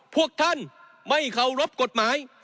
พวกท่านไม่เคารพกฎหมาย